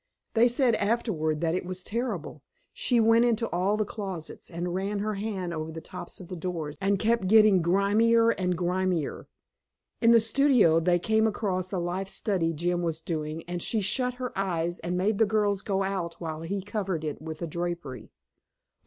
They said afterward that it was terrible: she went into all the closets, and ran her hand over the tops of doors and kept getting grimmer and grimmer. In the studio they came across a life study Jim was doing and she shut her eyes and made the girls go out while he covered it with a drapery.